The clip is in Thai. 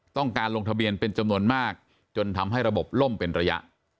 ต้องการลงทะเบียนเป็นจำนวนมากจนทำให้ระบบล่มเป็นระยะ